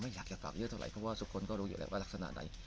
อยากจะกล่าวเยอะเท่าไหร่เพราะว่าทุกคนก็รู้อยู่แหละว่ารักษณะไหน